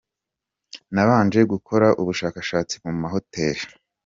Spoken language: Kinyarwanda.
M : Nabanje gukora ubushakashatsi mu mahoteli.